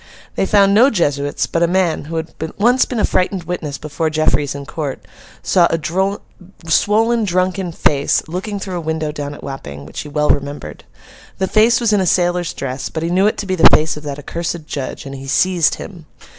They found no Jesuits; but a man, who had once been a frightened witness before Jeffreys in court, saw a swollen, drunken face looking through a window down at Wapping, which he well remembered. The face was in a sailor's dress, but he knew it to be the face of that accursed judge, and he seized him.